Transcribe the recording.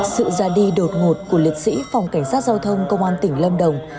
sự ra đi đột ngột của liệt sĩ phòng cảnh sát giao thông công an tỉnh lâm đồng